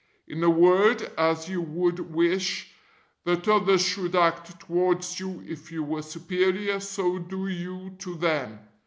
In a word, as you would wish that others should act towards you if you were Superior, so do you to them.